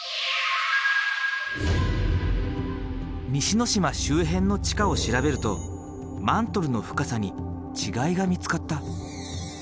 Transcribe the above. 西之島周辺の地下を調べるとマントルの深さに違いが見つかった。